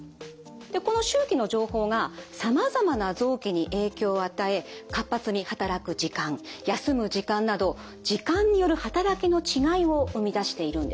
でこの周期の情報がさまざまな臓器に影響を与え活発に働く時間休む時間など時間による働きの違いを生み出しているんです。